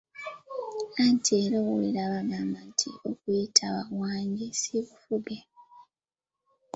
Anti era owulira bagamba nti okuyitaba "wangi" si bufuge.